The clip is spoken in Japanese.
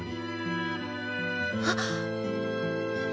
あっ。